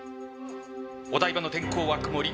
お台場の天候は曇り。